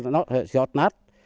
nó giọt nát